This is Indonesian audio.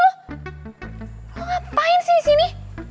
lo ngapain sih disini